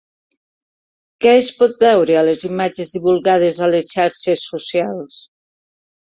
Què es pot veure a les imatges divulgades a les xarxes socials?